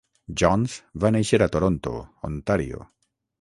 Johns va néixer a Toronto, Ontario.